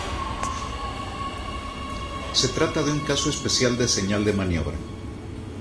Se trata de un caso especial de señal de maniobra.